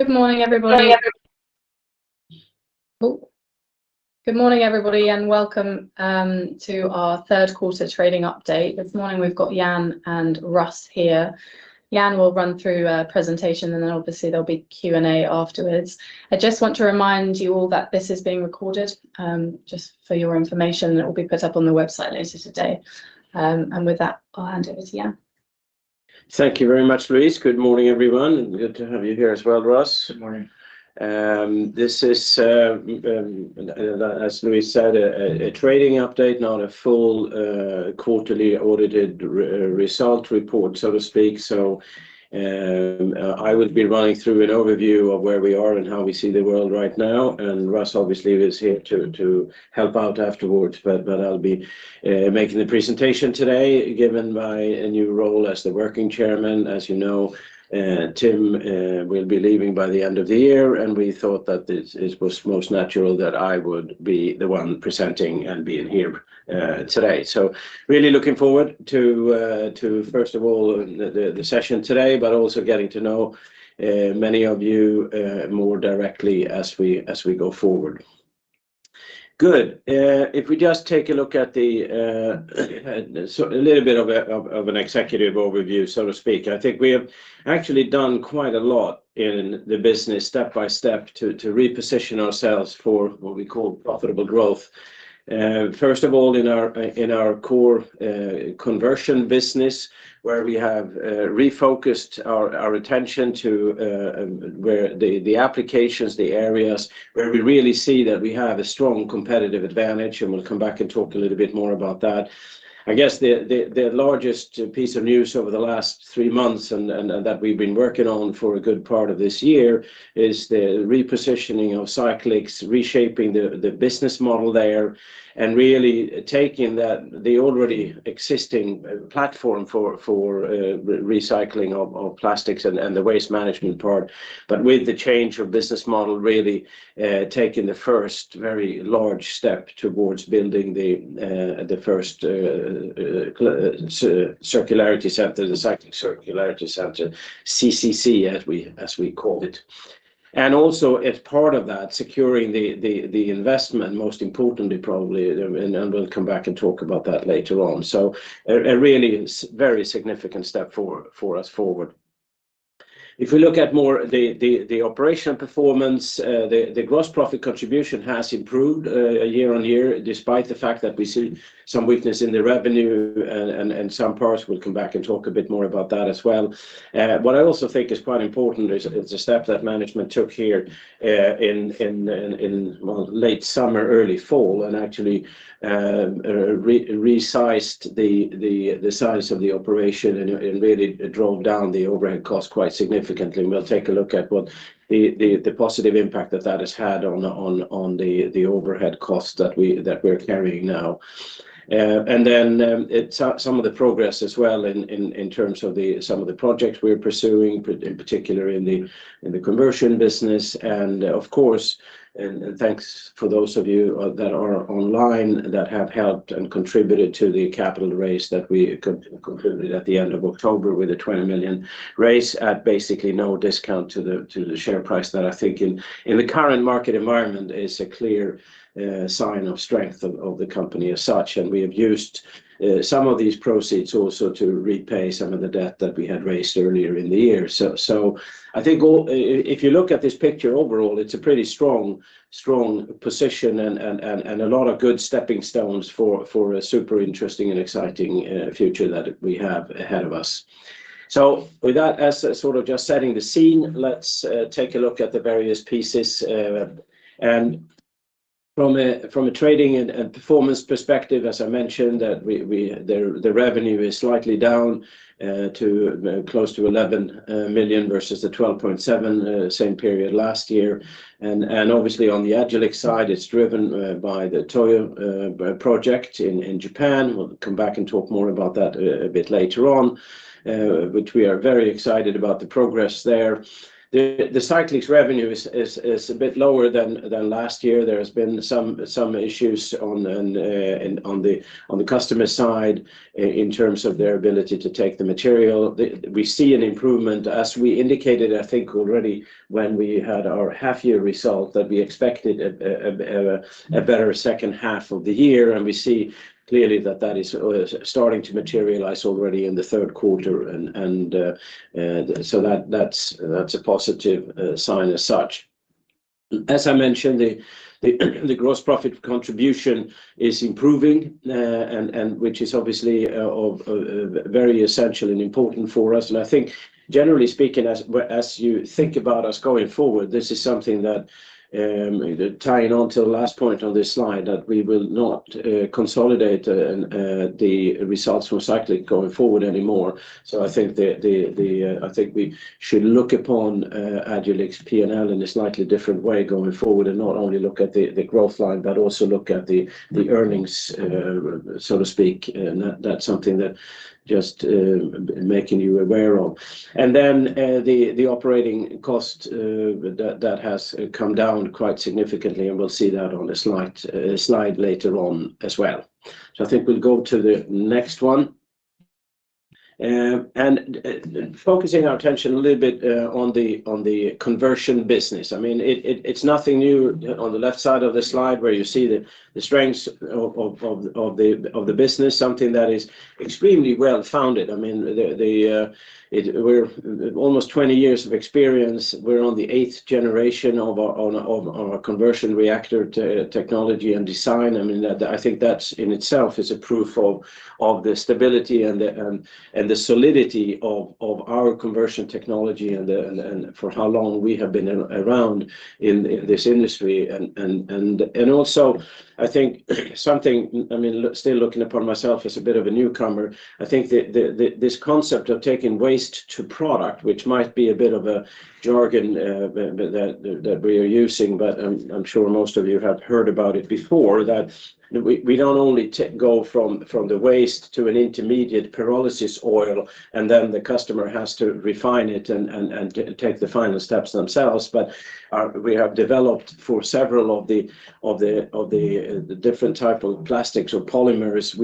Good morning, everybody. Oh, good morning, everybody, and welcome to our third quarter trading update. This morning, we've got Jan and Russ here. Jan will run through a presentation, and then obviously, there'll be Q&A afterwards. I just want to remind you all that this is being recorded, just for your information, and it will be put up on the website later today. With that, I'll hand over to Jan. Thank you very much, Louise. Good morning, everyone. Good to have you here as well, Russ. Good morning. This is, as Louise said, a trading update, not a full quarterly audited result report, so to speak. So, I will be running through an overview of where we are and how we see the world right now, and Russ, obviously, is here to help out afterwards, but I'll be making the presentation today, given my new role as the Working Chairman. As you know, Tim will be leaving by the end of the year, and we thought that it was most natural that I would be the one presenting and being here today. So really looking forward to, first of all, the session today, but also getting to know many of you more directly as we go forward. Good. If we just take a look at the so a little bit of an executive overview, so to speak, I think we have actually done quite a lot in the business, step by step, to reposition ourselves for what we call profitable growth. First of all, in our core conversion business, where we have refocused our attention to where the applications, the areas where we really see that we have a strong competitive advantage, and we'll come back and talk a little bit more about that. I guess the largest piece of news over the last three months and that we've been working on for a good part of this year is the repositioning of Cyclyx, reshaping the business model there, and really taking that, the already existing platform for recycling of plastics and the waste management part. But with the change of business model, really taking the first very large step towards building the first circularity center, the Cyclyx Circularity Center, CCC, as we call it. And also as part of that, securing the investment, most importantly, probably, and we'll come back and talk about that later on. So a really very significant step for us forward. If we look at more the operation performance, the gross profit contribution has improved year-over-year, despite the fact that we see some weakness in the revenue and some parts. We'll come back and talk a bit more about that as well. What I also think is quite important is the step that management took here, well, in late summer, early fall, and actually resized the size of the operation and really drove down the overhead cost quite significantly. We'll take a look at what the positive impact that that has had on the overhead cost that we're carrying now. And then, it's some of the progress as well in terms of some of the projects we're pursuing, in particular in the conversion business. And of course, thanks for those of you that are online that have helped and contributed to the capital raise that we concluded at the end of October with a 20 million raise at basically no discount to the share price. That I think in the current market environment is a clear sign of strength of the company as such. And we have used some of these proceeds also to repay some of the debt that we had raised earlier in the year. So I think all, if you look at this picture overall, it's a pretty strong position and a lot of good stepping stones for a super interesting and exciting future that we have ahead of us. So with that, as sort of just setting the scene, let's take a look at the various pieces. And from a trading and performance perspective, as I mentioned, the revenue is slightly down to close to 11 million versus the 12.7 million same period last year. And obviously, on the Agilyx side, it's driven by the Toyo project in Japan. We'll come back and talk more about that a bit later on, which we are very excited about the progress there. The Cyclyx revenue is a bit lower than last year. There has been some issues on the customer side in terms of their ability to take the material. We see an improvement, as we indicated, I think already when we had our half-year result, that we expected a better second half of the year, and we see clearly that that is starting to materialize already in the third quarter, and so that's a positive sign as such. As I mentioned, the gross profit contribution is improving, and which is obviously of very essential and important for us. I think generally speaking, as you think about us going forward, this is something that, tying on to the last point on this slide, that we will not consolidate, and the results from Cyclyx going forward anymore. So I think I think we should look upon Agilyx P&L in a slightly different way going forward, and not only look at the growth line, but also look at the earnings, so to speak. And that's something that just making you aware of. And then the operating cost that has come down quite significantly, and we'll see that on a slide later on as well. So I think we'll go to the next one. Focusing our attention a little bit on the conversion business. I mean, it's nothing new on the left side of the slide where you see the strengths of the business, something that is extremely well-founded. I mean, we're almost 20 years of experience. We're on the eighth generation of our conversion reactor technology and design. I mean, that, I think that in itself is a proof of the stability and the solidity of our conversion technology and for how long we have been around in this industry. Also, I think, I mean, look, still looking upon myself as a bit of a newcomer, I think this concept of taking waste to product, which might be a bit of a jargon that we are using, but I'm sure most of you have heard about it before, that we not only go from the waste to an intermediate pyrolysis oil, and then the customer has to refine it and take the final steps themselves. But we have developed for several of the different type of plastics or polymers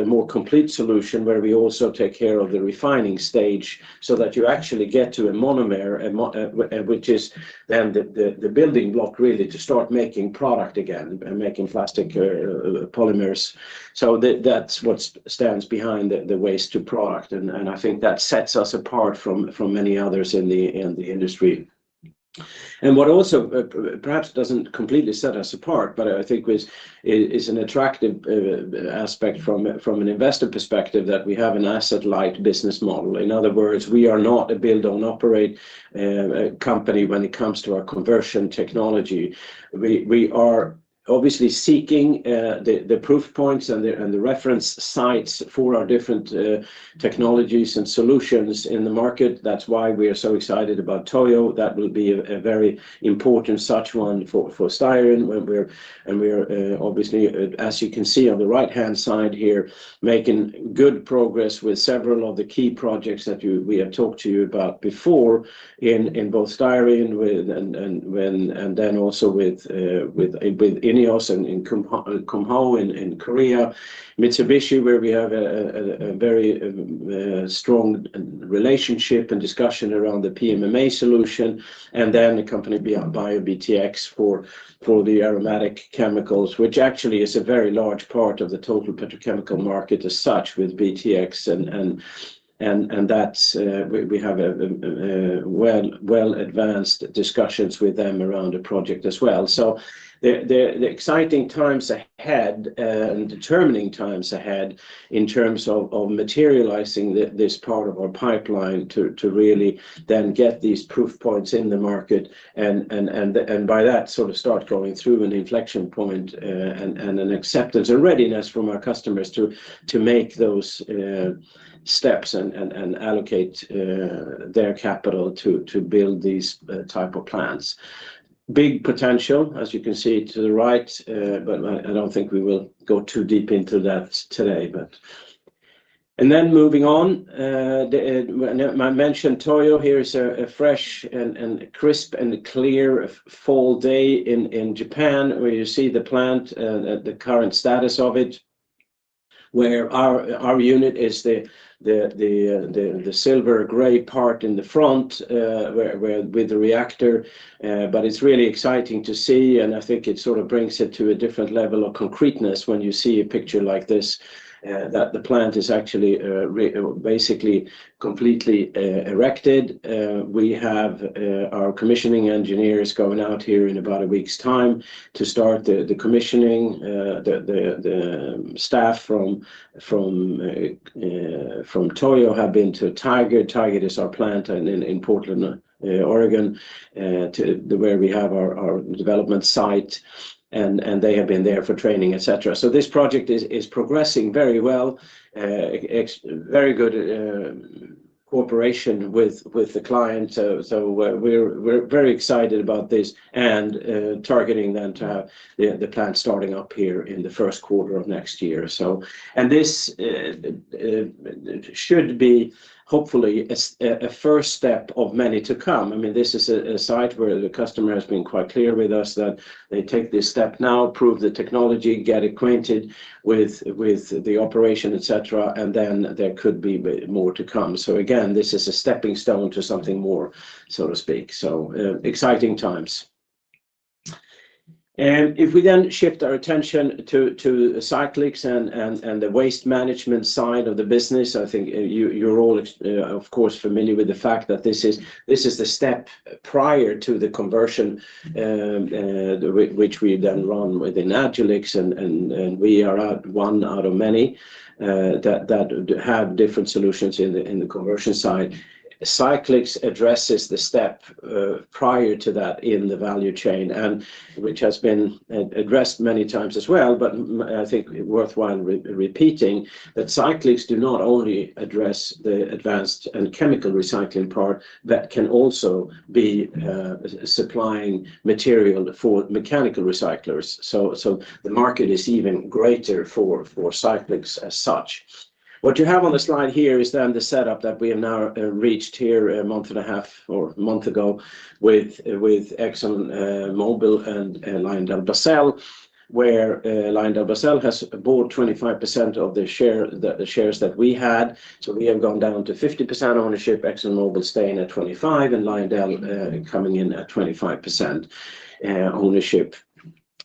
a more complete solution where we also take care of the refining stage so that you actually get to a monomer, which is then the building block, really, to start making product again and making plastic polymers. So that's what stands behind the waste to product, and I think that sets us apart from many others in the industry. And what also perhaps doesn't completely set us apart, but I think is an attractive aspect from an investor perspective, that we have an asset-light business model. In other words, we are not a build-own-operate company when it comes to our conversion technology. We are obviously seeking the proof points and the reference sites for our different technologies and solutions in the market. That's why we are so excited about Toyo. That will be a very important such one for styrene, where we're obviously, as you can see on the right-hand side here, making good progress with several of the key projects that we have talked to you about before in both styrene and then also with INEOS and in Kumho in Korea. Mitsubishi, where we have a very strong relationship and discussion around the PMMA solution, and then the company BioBTX for the aromatic chemicals, which actually is a very large part of the total petrochemical market as such, with BTX and that's, we have a well-advanced discussions with them around the project as well. So the exciting times ahead and determining times ahead in terms of materializing this part of our pipeline to really then get these proof points in the market, and by that, sort of start going through an inflection point and an acceptance and readiness from our customers to make those steps and allocate their capital to build these type of plants. Big potential, as you can see to the right, but I don't think we will go too deep into that today, but... And then moving on, I mentioned Toyo. Here is a fresh and crisp and clear fall day in Japan, where you see the plant, the current status of it, where our unit is the silver-gray part in the front, where with the reactor. But it's really exciting to see, and I think it sort of brings it to a different level of concreteness when you see a picture like this, that the plant is actually basically completely erected. We have our commissioning engineers going out here in about a week's time to start the commissioning. The staff from Toyo have been to Tigard. Tigard is our plant in Portland, Oregon, where we have our development site, and they have been there for training, et cetera. So this project is progressing very well. Very good cooperation with the client. So we're very excited about this and targeting then to have the plant starting up here in the first quarter of next year. And this should be hopefully a first step of many to come. I mean, this is a site where the customer has been quite clear with us that they take this step now, prove the technology, get acquainted with the operation, et cetera, and then there could be more to come. So again, this is a stepping stone to something more, so to speak. So, exciting times. And if we then shift our attention to Cyclyx and the waste management side of the business, I think you're all, of course, familiar with the fact that this is the step prior to the conversion, which we then run within Styrenyx, and we are one out of many that have different solutions in the conversion side. Cyclyx addresses the step prior to that in the value chain, and which has been addressed many times as well, but I think worthwhile repeating, that Cyclyx do not only address the advanced and chemical recycling part, that can also be supplying material for mechanical recyclers. So, the market is even greater for Cyclyx as such. What you have on the slide here is then the setup that we have now reached here a month and a half or a month ago with ExxonMobil and LyondellBasell, where LyondellBasell has bought 25% of the shares that we had. So we have gone down to 50% ownership, ExxonMobil staying at 25%, and Lyondell coming in at 25% ownership.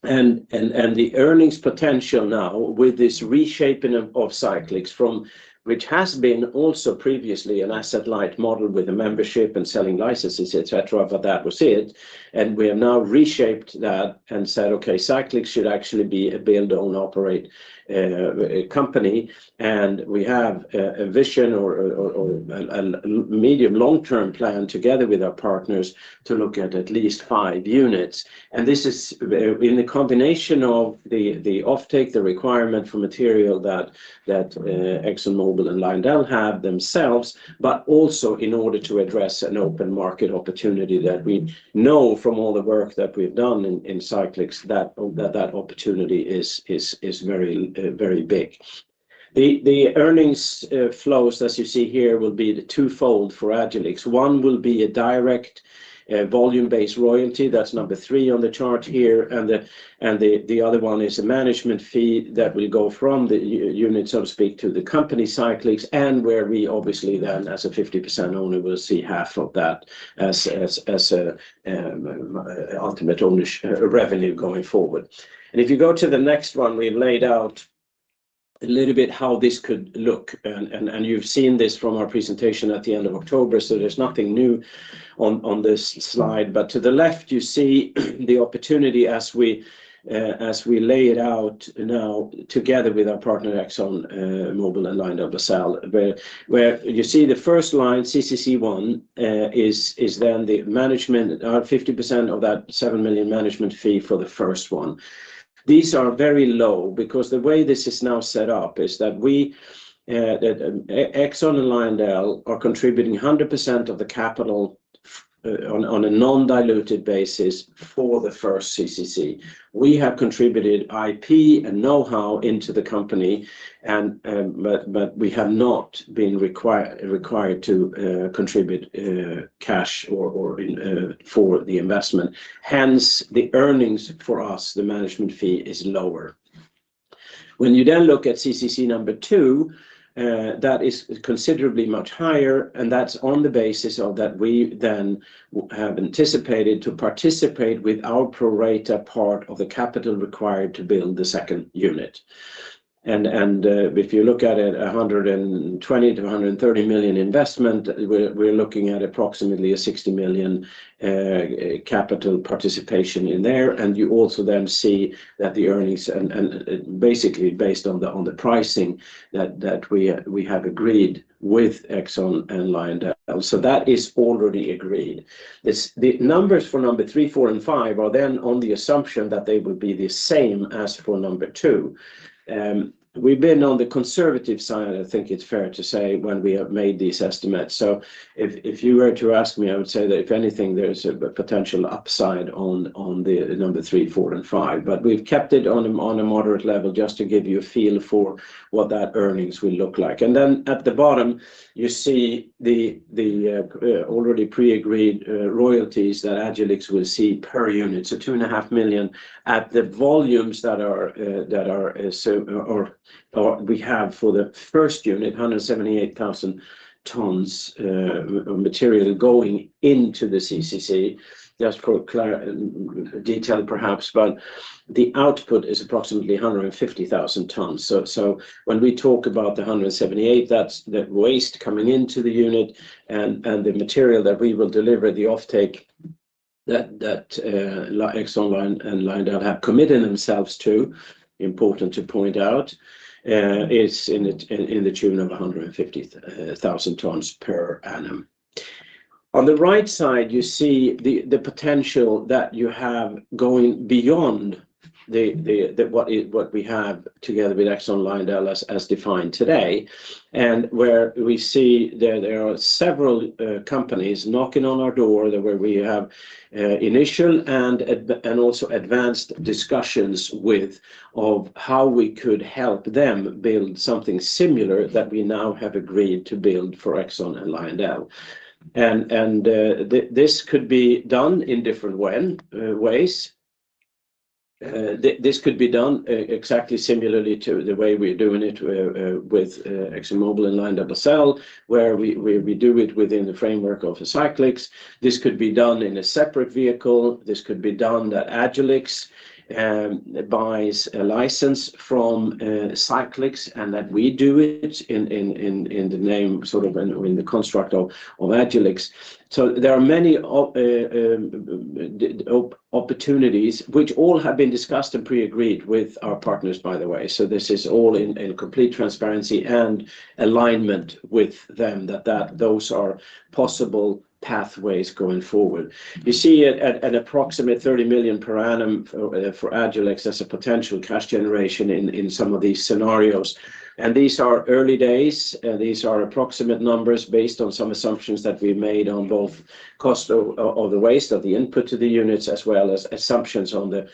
The earnings potential now with this reshaping of Cyclyx from which has been also previously an asset-light model with a membership and selling licenses, et cetera, but that was it. We have now reshaped that and said, okay, Cyclyx should actually be a build, own, operate a company, and we have a vision or a medium, long-term plan together with our partners to look at at least five units. And this is in the combination of the offtake, the requirement for material that ExxonMobil and Lyondell have themselves, but also in order to address an open market opportunity that we know from all the work that we've done in Cyclyx, that opportunity is very big. The earnings flows, as you see here, will be twofold for Agilyx. One will be a direct volume-based royalty. That's number three on the chart here, and the other one is a management fee that will go from the units, so to speak, to the company Cyclyx, and where we obviously then, as a 50% owner, will see half of that as a ultimate ownership revenue going forward. And if you go to the next one, we've laid out a little bit how this could look, and you've seen this from our presentation at the end of October, so there's nothing new on this slide. But to the left, you see the opportunity as we lay it out now together with our partner, ExxonMobil and LyondellBasell. But where you see the first line, CCC 1, is then the management, 50% of that 7 million management fee for the first one. These are very low because the way this is now set up is that we, that Exxon and Lyondell are contributing 100% of the capital on, on a non-diluted basis for the first CCC. We have contributed IP and know-how into the company, and, but, but we have not been required to contribute cash or for the investment. Hence, the earnings for us, the management fee is lower. When you then look at CCC number two, that is considerably much higher, and that's on the basis of that we then have anticipated to participate with our pro rata part of the capital required to build the second unit. If you look at it, 120-130 million investment, we're looking at approximately a 60 million capital participation in there. And you also then see that the earnings and basically based on the pricing that we have agreed with Exxon and Lyondell. So that is already agreed. The numbers for number three, four, and five are then on the assumption that they would be the same as for number two. We've been on the conservative side, I think it's fair to say, when we have made these estimates. So if you were to ask me, I would say that if anything, there's a potential upside on the number three, four, and five. But we've kept it on a moderate level just to give you a feel for what that earnings will look like. And then at the bottom, you see the already pre-agreed royalties that Agilyx will see per unit. So 2.5 million at the volumes that are so or we have for the first unit, 178,000 tons of material going into the CCC. Just for detail, perhaps, but the output is approximately 150,000 tons. So when we talk about the 178, that's the waste coming into the unit and the material that we will deliver, the offtake that Exxon and Lyondell have committed themselves to, important to point out, is in the tune of 150,000 tons per annum. On the right side, you see the potential that you have going beyond what we have together with Exxon, Lyondell as defined today, and where we see there are several companies knocking on our door, where we have initial and also advanced discussions with of how we could help them build something similar that we now have agreed to build for Exxon and Lyondell. This could be done in different ways. This could be done exactly similarly to the way we're doing it with ExxonMobil and LyondellBasell, where we do it within the framework of the Cyclyx. This could be done in a separate vehicle. This could be done that Agilyx buys a license from Cyclyx, and that we do it in the name, sort of in the construct of Agilyx. So there are many opportunities which all have been discussed and pre-agreed with our partners, by the way. So this is all in complete transparency and alignment with them, that those are possible pathways going forward. You see at an approximate 30 million per annum for Agilyx as a potential cash generation in some of these scenarios, and these are early days. These are approximate numbers based on some assumptions that we made on both cost of the waste, of the input to the units, as well as assumptions on the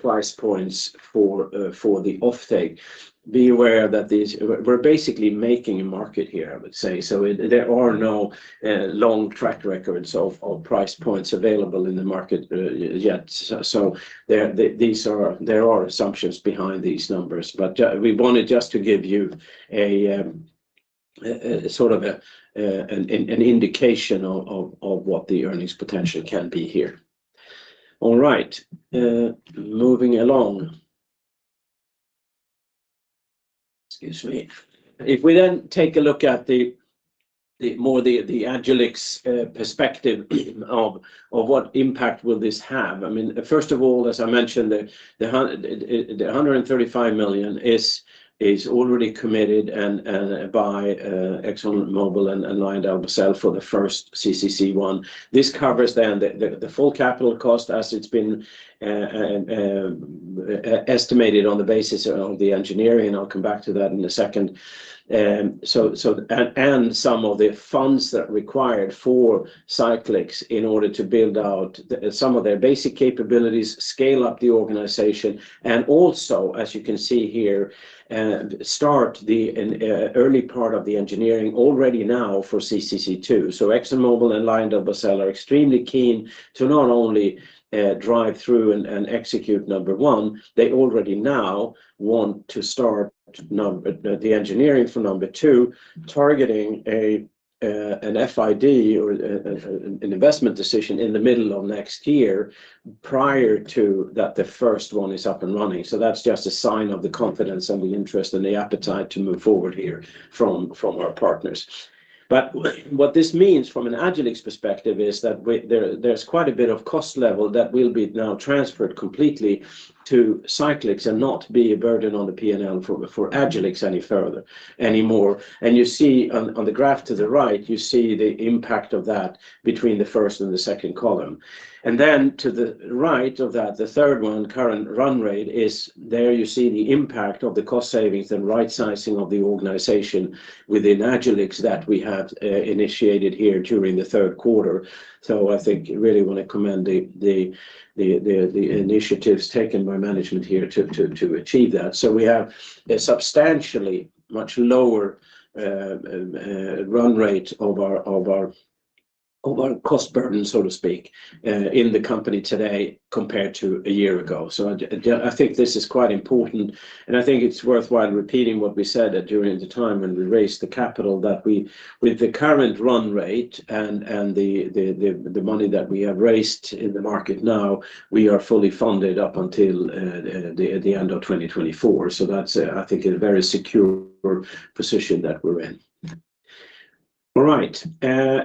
price points for the offtake. Be aware that these- we're basically making a market here, I would say. So there are no long track records of price points available in the market yet. So there, these are- there are assumptions behind these numbers. But we wanted just to give you a sort of an indication of what the earnings potential can be here. All right, moving along. Excuse me. If we then take a look at the Agilyx perspective of what impact will this have? I mean, first of all, as I mentioned, the hundred and thirty-five million is already committed and by ExxonMobil and LyondellBasell for the first CCC-one. This covers then the full capital cost as it's been estimated on the basis of the engineering. I'll come back to that in a second. So, and some of the funds that are required for Cyclyx in order to build out some of their basic capabilities, scale up the organization, and also, as you can see here, start an early part of the engineering already now for CCC-two. So ExxonMobil and LyondellBasell are extremely keen to not only drive through and execute number one, they already now want to start the engineering for number two, targeting an FID or an investment decision in the middle of next year, prior to that, the first one is up and running. So that's just a sign of the confidence and the interest and the appetite to move forward here from our partners. But what this means from an Agilyx perspective is that we there, there's quite a bit of cost level that will be now transferred completely to Cyclyx, and not be a burden on the PNL for Agilyx any further, anymore. And you see on the graph to the right, you see the impact of that between the first and the second column. And then to the right of that, the third one, current run rate, is there you see the impact of the cost savings and right-sizing of the organization within Agilyx that we had initiated here during the third quarter. So I think I really want to commend the initiatives taken by management here to achieve that. So we have a substantially much lower run rate of our cost burden, so to speak, in the company today compared to a year ago. So I think this is quite important, and I think it's worthwhile repeating what we said during the time when we raised the capital, that we, with the current run rate and the money that we have raised in the market now, we are fully funded up until the end of 2024. So that's, I think, a very secure position that we're in. All right,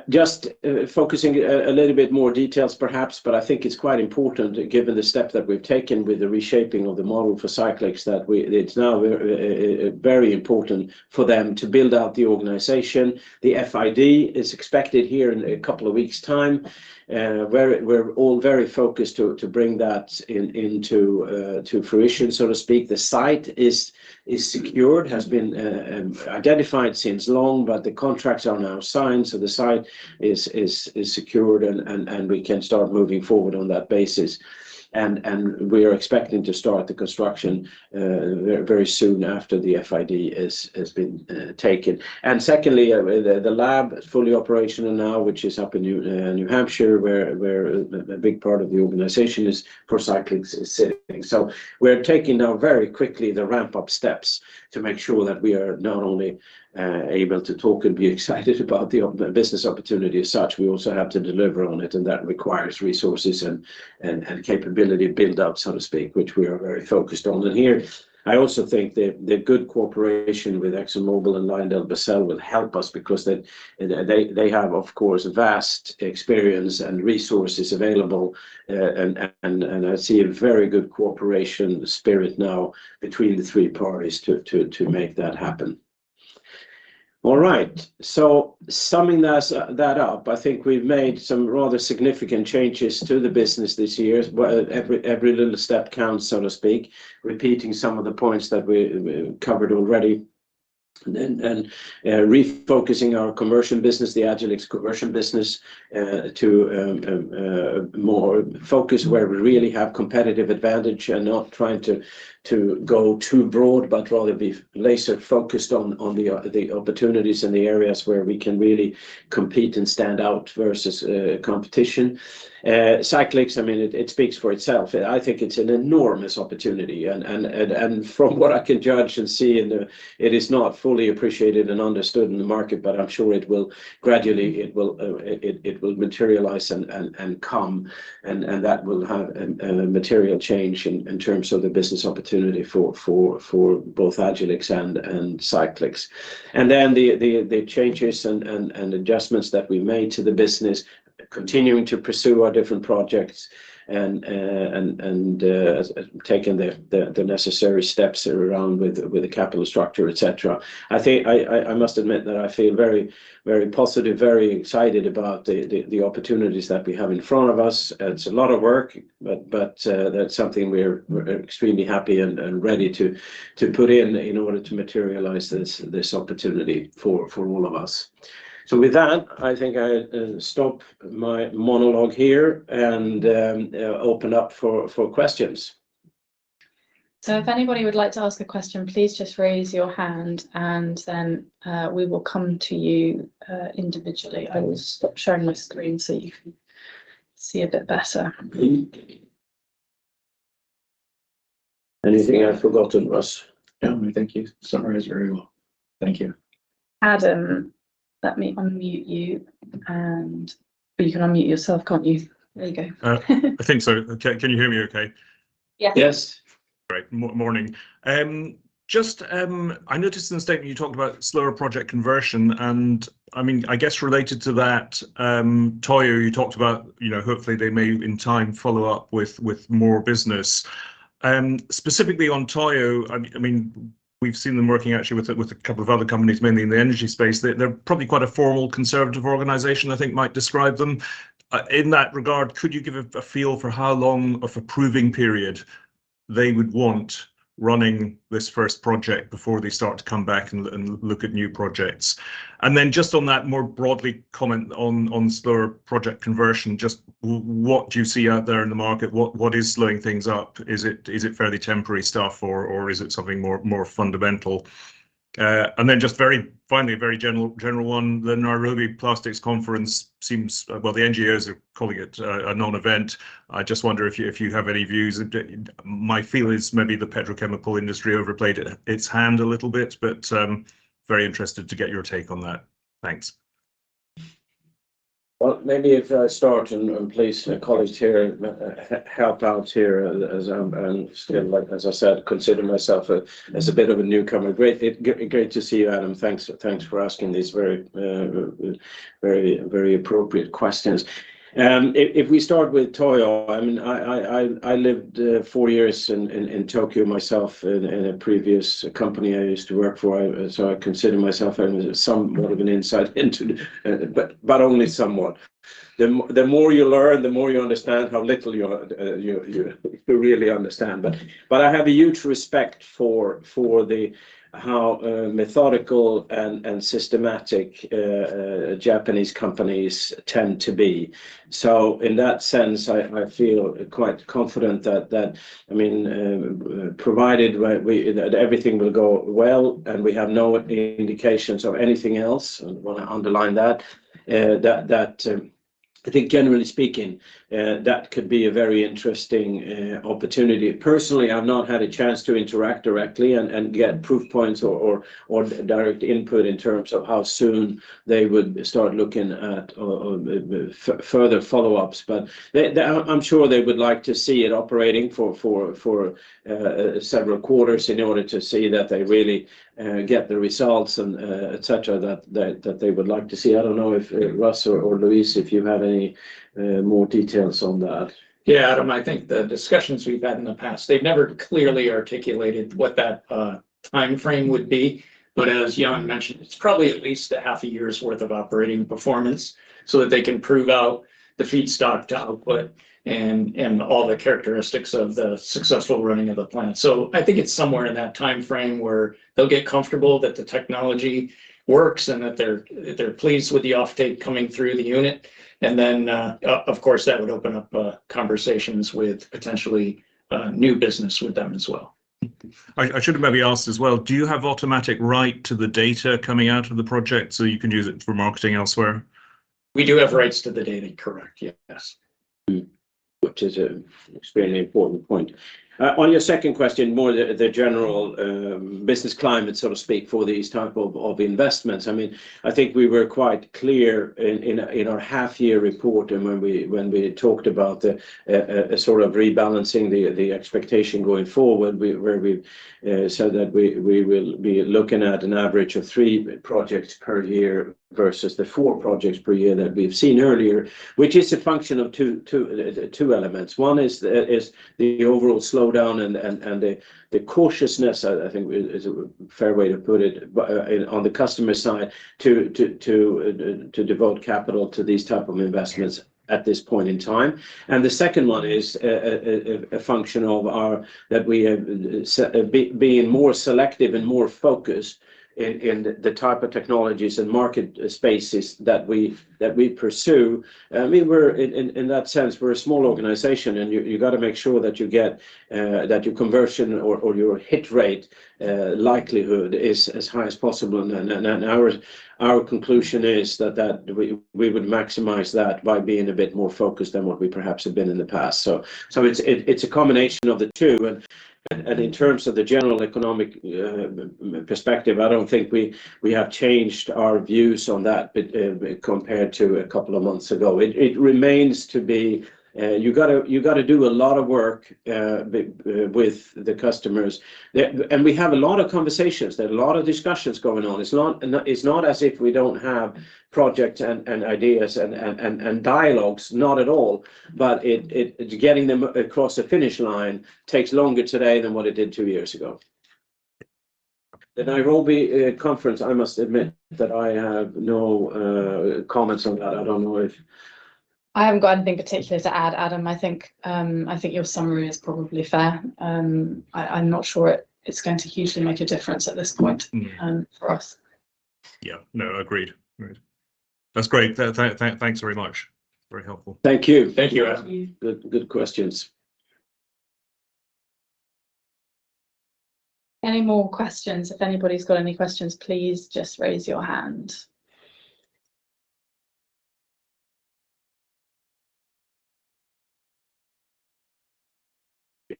just focusing a little bit more details, perhaps, but I think it's quite important, given the step that we've taken with the reshaping of the model for Cyclyx, that it's now very important for them to build out the organization. The FID is expected here in a couple of weeks' time, we're all very focused to bring that into fruition, so to speak. The site is secured, has been identified since long, but the contracts are now signed, so the site is secured and we can start moving forward on that basis. And we are expecting to start the construction very soon after the FID has been taken. And secondly, the lab is fully operational now, which is up in New Hampshire, where a big part of the organization for Cyclyx is sitting. So we're taking now very quickly the ramp-up steps to make sure that we are not only able to talk and be excited about the business opportunity as such, we also have to deliver on it, and that requires resources and capability build-up, so to speak, which we are very focused on. Here, I also think the good cooperation with ExxonMobil and LyondellBasell will help us because they have, of course, vast experience and resources available, and I see a very good cooperation spirit now between the three parties to make that happen. All right, so summing this that up, I think we've made some rather significant changes to the business this year. Well, every little step counts, so to speak, repeating some of the points that we covered already. Refocusing our conversion business, the Agilyx conversion business, to more focus where we really have competitive advantage and not trying to go too broad, but rather be laser-focused on the opportunities and the areas where we can really compete and stand out versus competition. Cyclyx, I mean, it speaks for itself. I think it's an enormous opportunity, and from what I can judge and see, it is not fully appreciated and understood in the market, but I'm sure it will gradually materialize, and that will have a material change in terms of the business opportunity for both Agilyx and Cyclyx. And then the changes and adjustments that we made to the business, continuing to pursue our different projects and taking the necessary steps around with the capital structure, et cetera. I think I must admit that I feel very positive, very excited about the opportunities that we have in front of us. It's a lot of work, but that's something we're extremely happy and ready to put in order to materialize this opportunity for all of us. So with that, I think I stop my monologue here and open up for questions. If anybody would like to ask a question, please just raise your hand and then we will come to you individually. I will stop sharing my screen so you can see a bit better.... Anything I've forgotten, Russ? No, I think you summarized very well. Thank you. Adam, let me unmute you, or you can unmute yourself, can't you? There you go. I think so. Can you hear me okay? Yeah. Yes. Great. Morning. Just, I noticed in the statement you talked about slower project conversion, and, I mean, I guess related to that, Toyo, you talked about, you know, hopefully they may, in time, follow up with, with more business. And specifically on Toyo, I mean, we've seen them working actually with a couple of other companies, mainly in the energy space. They, they're probably quite a formal, conservative organization, I think might describe them. In that regard, could you give a feel for how long of a proving period they would want running this first project before they start to come back and look at new projects? And then just on that, more broadly, comment on slower project conversion, just what do you see out there in the market? What is slowing things up? Is it fairly temporary stuff, or is it something more fundamental? And then just very finally, a very general one, the Nairobi Plastics Conference seems well, the NGOs are calling it a non-event. I just wonder if you have any views. My feel is maybe the petrochemical industry overplayed its hand a little bit, but very interested to get your take on that. Thanks. Well, maybe if I start, and please, my colleagues here, help out here. As I said, and still, like, consider myself as a bit of a newcomer. Great to see you, Adam. Thanks, thanks for asking these very, very, very appropriate questions. If we start with Toyo, I mean, I lived four years in Tokyo myself in a previous company I used to work for, so I consider myself having some more of an insight into it, but only somewhat. The more you learn, the more you understand how little you really understand. But I have a huge respect for how methodical and systematic Japanese companies tend to be. So in that sense, I feel quite confident that, I mean, provided that everything will go well, and we have no indications of anything else, and I want to underline that, I think generally speaking, that could be a very interesting opportunity. Personally, I've not had a chance to interact directly and get proof points or direct input in terms of how soon they would start looking at further follow-ups. But I'm sure they would like to see it operating for several quarters in order to see that they really get the results and, et cetera, that they would like to see. I don't know if, Russ or Louise, if you have any more details on that. Yeah, Adam, I think the discussions we've had in the past, they've never clearly articulated what that timeframe would be. But as Jan mentioned, it's probably at least a half a year's worth of operating performance so that they can prove out the feedstock to output and all the characteristics of the successful running of the plant. So I think it's somewhere in that timeframe where they'll get comfortable that the technology works and that they're pleased with the offtake coming through the unit. And then, of course, that would open up conversations with potentially new business with them as well. I should have maybe asked as well, do you have automatic right to the data coming out of the project so you can use it for marketing elsewhere? We do have rights to the data, correct? Yes. Mm-hmm. Which is an extremely important point. On your second question, more the general business climate, so to speak, for these type of investments, I mean, I think we were quite clear in our half-year report and when we talked about a sort of rebalancing the expectation going forward, where we said that we will be looking at an average of three projects per year versus the four projects per year that we've seen earlier, which is a function of two elements. One is the overall slowdown and the cautiousness, I think is a fair way to put it, but on the customer side, to devote capital to these type of investments at this point in time. And the second one is a function of our that we have being more selective and more focused in the type of technologies and market spaces that we pursue. I mean, we're in that sense, we're a small organization, and you gotta make sure that you get that your conversion or your hit rate likelihood is as high as possible. And our conclusion is that we would maximize that by being a bit more focused than what we perhaps have been in the past. So it's a combination of the two. And in terms of the general economic perspective, I don't think we have changed our views on that compared to a couple of months ago. It remains to be, you gotta do a lot of work with the customers. And we have a lot of conversations, there are a lot of discussions going on. It's not as if we don't have projects and ideas and dialogues, not at all, but it getting them across the finish line takes longer today than what it did two years ago. The Nairobi conference, I must admit that I have no comments on that. I don't know if- I haven't got anything particular to add, Adam. I think, I think your summary is probably fair. I'm not sure it's going to hugely make a difference at this point, for us. Yeah. No, agreed. Agreed. That's great. Thanks very much. Very helpful. Thank you. Thank you, Adam. Thank you. Good, good questions. Any more questions? If anybody's got any questions, please just raise your hand. ...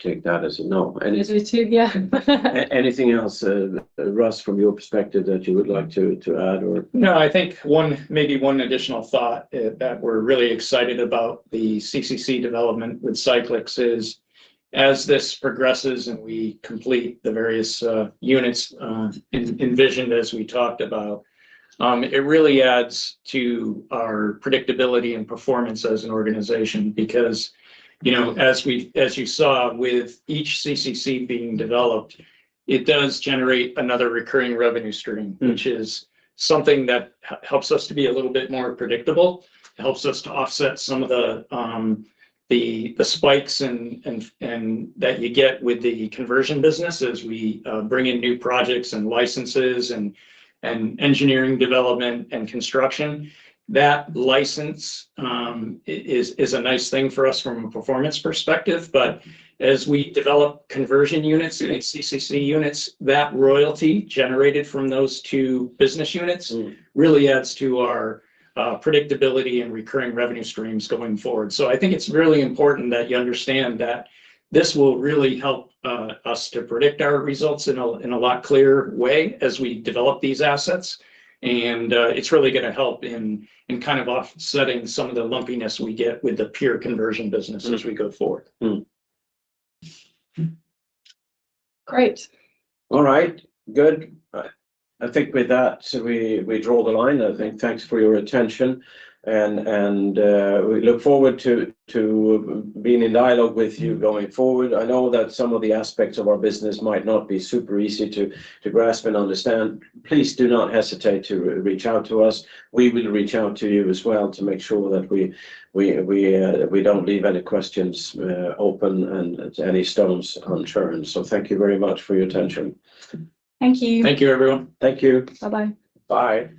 I take that as a no, and- As we do, yeah. Anything else, Russ, from your perspective, that you would like to add or? No, I think one, maybe one additional thought, that we're really excited about the CCC development with Cyclyx is, as this progresses and we complete the various units, envisioned as we talked about, it really adds to our predictability and performance as an organization. Because, you know, as you saw with each CCC being developed, it does generate another recurring revenue stream- Mm. -which is something that helps us to be a little bit more predictable. It helps us to offset some of the spikes and that you get with the conversion business as we bring in new projects, and licenses, and engineering development, and construction. That license is a nice thing for us from a performance perspective, but as we develop conversion units- Mm. and CCC units, that royalty generated from those two business units. Mm... really adds to our, predictability and recurring revenue streams going forward. So I think it's really important that you understand that this will really help, us to predict our results in a, in a lot clearer way as we develop these assets. And, it's really gonna help in, in kind of offsetting some of the lumpiness we get with the pure conversion business- Mm... as we go forward. Mm. Great. All right. Good. I think with that, so we draw the line, I think. Thanks for your attention, and we look forward to being in dialogue with you going forward. I know that some of the aspects of our business might not be super easy to grasp and understand. Please do not hesitate to reach out to us. We will reach out to you as well to make sure that we don't leave any questions open, and any stones unturned. So thank you very much for your attention. Thank you. Thank you, everyone. Thank you. Bye-bye. Bye.